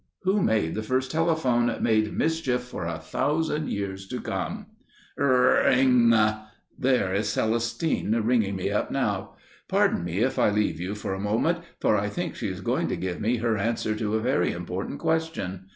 Who made the first telephone made mischief for a thousand years to come! Rrrrrrrrrrng!!!! There is Celestine ringing me up now! Pardon me if I leave you for a moment, for I think she is going to give me her answer to a very important question.